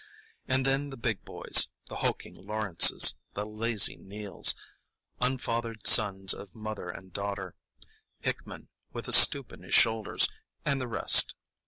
And then the big boys,—the hulking Lawrences; the lazy Neills, unfathered sons of mother and daughter; Hickman, with a stoop in his shoulders; and the rest.